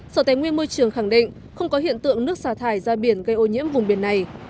sở tài nguyên môi trường khẳng định không có hiện tượng nước xả thải ra biển gây ô nhiễm vùng biển này